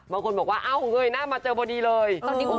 บางคนบอกว่าเอ้าเย้นะมาเจอบดีเลย